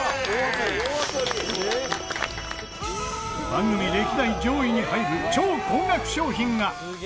番組歴代上位に入る超高額商品が！